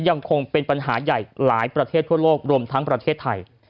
ยังคงเป็นปัญหาใหญ่หลายประเทศทั่วโลกรวมทั้งประเทศไทย